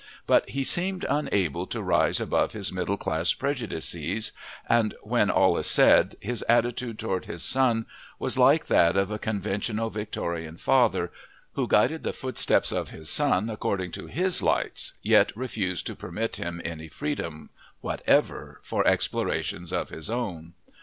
But he seemed unable to rise above his middle class prejudices and, when all is said, his attitude toward his son was like that of a conventional Victorian father, who guided the footsteps of his son according to his lights, yet refused to permit him any freedom whatever for explorations of his own.